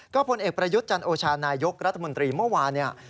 พลเอกประยุทธ์จันโอชานายกรัฐมนตรีเมื่อวานเนี่ย